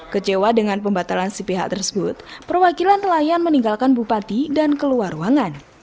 kecewa dengan pembatalan si pihak tersebut perwakilan nelayan meninggalkan bupati dan keluar ruangan